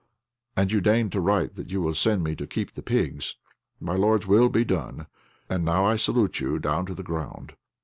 And you deign to write that you will send me to keep the pigs. My lord's will be done. And now I salute you down to the ground.